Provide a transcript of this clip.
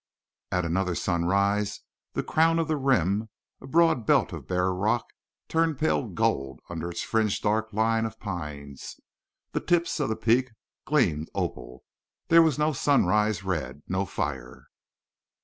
At another sunrise the crown of the rim, a broad belt of bare rock, turned pale gold under its fringed dark line of pines. The tips of the peak gleamed opal. There was no sunrise red, no fire.